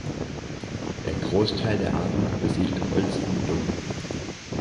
Der Großteil der Arten besiedelt Holz und Dung.